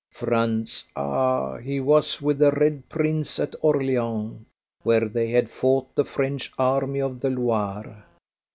Franz! ah! he was with the Red Prince at Orleans, where they had fought the French army of the Loire.